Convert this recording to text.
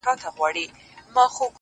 د ټپې په رزم اوس هغه ده پوه سوه!